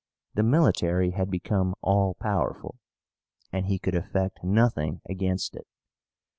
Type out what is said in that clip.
The military had become all powerful, and he could effect nothing against it.